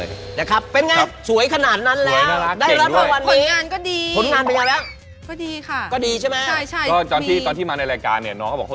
นะครับเป็นไงสวยขนาดนั้นแล้ว